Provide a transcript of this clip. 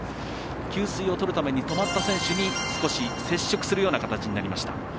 給水を取るために止まった選手に少し接触するような形になりました。